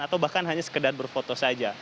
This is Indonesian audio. atau bahkan hanya sekedar berfoto saja